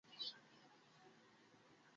ও তোমার বন্ধু?